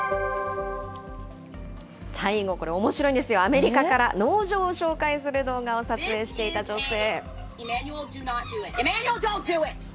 最後、これ、おもしろいんですよ、アメリカから、農場を紹介する動画を撮影していた女性。